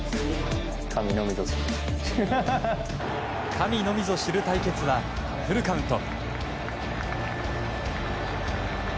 神のみぞ知る対決はフルカウント。